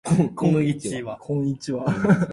あいさつをしよう